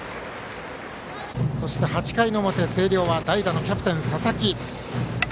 そして、８回の表星稜は代打のキャプテン、佐々木。